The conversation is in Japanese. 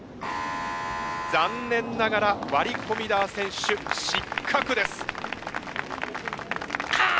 残念ながらワリ・コミダー選手失格です。かあ！